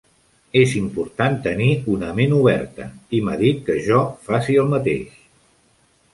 És important tenir una ment oberta, i m'ha dit que jo faci el mateix.